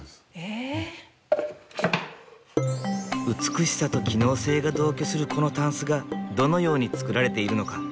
美しさと機能性が同居するこの箪笥がどのように作られているのか。